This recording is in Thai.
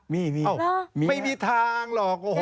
ไม่มีทางหรอก